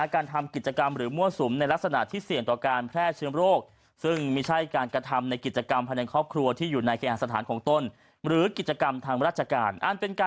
การทำกิจกรรมหรือมั่วสมในลักษณะที่เสี่ยงต่อการแพร่เชื้อโรค